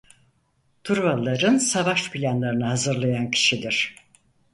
Truvalıların savaş planlarını hazırlayan kişidir.